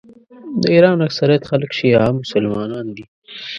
د ایران اکثریت خلک شیعه مسلمانان دي.